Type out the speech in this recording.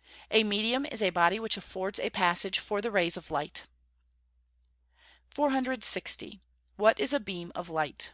_ A medium is a body which affords a passage for the rays of light. 460. _What is a beam of light?